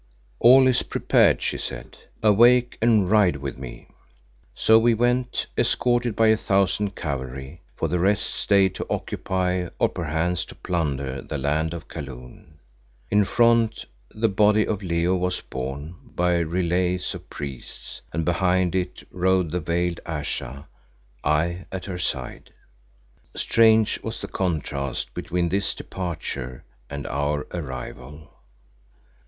"All is prepared," she said. "Awake and ride with me." So we went, escorted by a thousand cavalry, for the rest stayed to occupy, or perchance to plunder, the land of Kaloon. In front the body of Leo was borne by relays of priests, and behind it rode the veiled Ayesha, I at her side. Strange was the contrast between this departure, and our arrival.